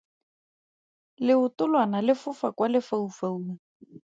Leoto lona le fofa kwa lefaufaung.